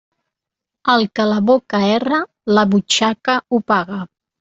El que la boca erra, la butxaca ho paga.